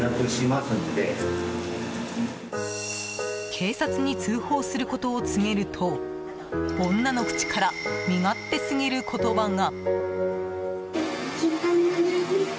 警察に通報することを告げると女の口から身勝手すぎる言葉が。